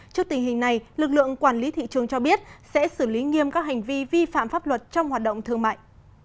trước tình hình này lực lượng quản lý thị trường cho biết sẽ xử lý nghiêm các hành vi vi phạm pháp luật trong hoạt động thương mại